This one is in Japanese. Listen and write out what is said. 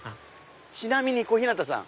ちなみに小日向さん。